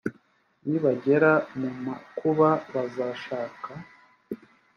nibagera mu makuba bazanshaka